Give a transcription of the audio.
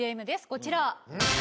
こちら。